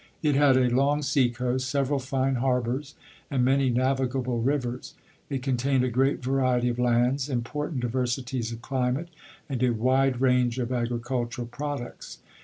It had a long sea coast, several fine harbors, and many navigable rivers. It contained a great variety of lands, important diversities of climate, and a wide range of agri cultural products.